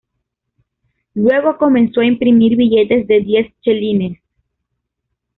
Luego comenzó a imprimir billetes de diez chelines.